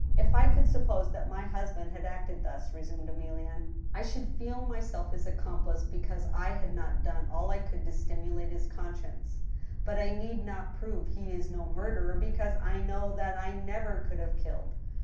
" If I could suppose that my husband had acted thus," resumed THE TWO WIVES. ^ 145 Emilienne, " I should feel myself his acc6mplice» because I had not done all I could to stimulate his conscience. But I need not prove he is no murderer because I know that I never could have killed.